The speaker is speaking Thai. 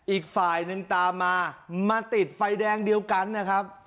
อีกฝ่ายหนึ่งตามมามาติดไฟแดงเดียวกันนะครับ